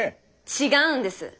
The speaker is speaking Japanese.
違うんです。